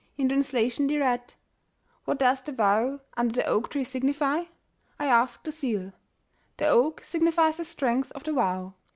In translation they read: '^ 'What does the vow under the oak tree signify'? I ask the seal. The oak signifies the strength of the vow.